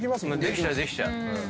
できちゃうできちゃう。